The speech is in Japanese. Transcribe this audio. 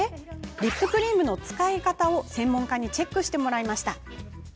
リップクリームの使い方を専門家にチェックしてもらいました。